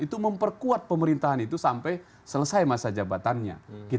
itu memperkuat pemerintahan itu sampai selesai masa jabatannya